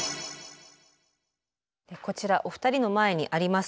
こちらお二人の前にあります